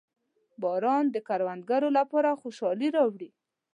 • باران د کروندګرو لپاره خوشحالي راوړي.